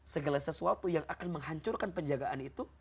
segala sesuatu yang akan menghancurkan penjagaan itu